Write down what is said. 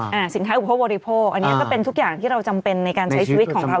สินค้าอุปโภคอันนี้ก็เป็นทุกอย่างที่เราจำเป็นในการใช้ชีวิตของเรา